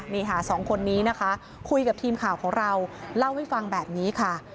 นี่ค่ะสองคนนี้นะคะคุยกับทีมข่าวของเราเล่าให้ฟังแบบนี้ค่ะ